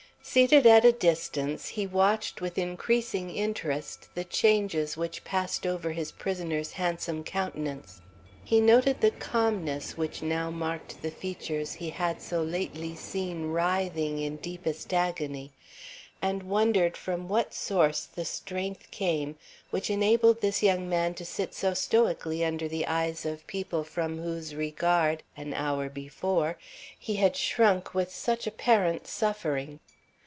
Seated at a distance, he watched with increasing interest the changes which passed over his prisoner's handsome countenance. He noted the calmness which now marked the features he had so lately seen writhing in deepest agony, and wondered from what source the strength came which enabled this young man to sit so stoically under the eyes of people from whose regard, an hour before, he had shrunk with such apparent suffering.